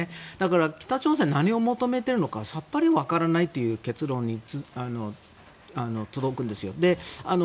だから北朝鮮何を求めているのかさっぱりわからないという結論に届くんですよ。